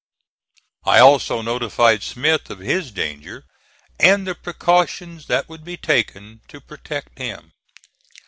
I also notified Smith of his danger, and the precautions that would be taken to protect him.